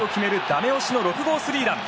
ダメ押しの６号スリーラン。